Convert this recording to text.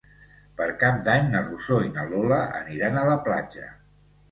Per Cap d'Any na Rosó i na Lola aniran a la platja.